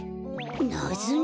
ナズナ？